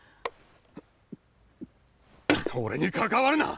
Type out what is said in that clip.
俺に関わるな！